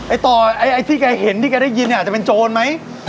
ไอ้ต่อไอที่ไกยเห็นที่ไกยได้ยินอาจจะเป็นโจรไหม